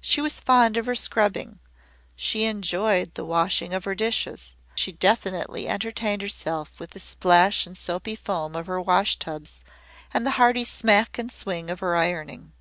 She was fond of her scrubbing, she enjoyed the washing of her dishes, she definitely entertained herself with the splash and soapy foam of her washtubs and the hearty smack and swing of her ironing.